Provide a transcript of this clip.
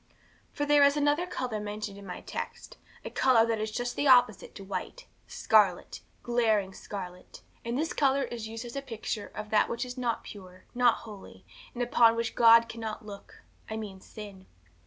'For there is another colour mentioned in my text, a colour which is just the opposite to white scarlet glaring scarlet. And this colour is used as a picture of that which is not pure, not holy, that upon which God cannot look I mean sin.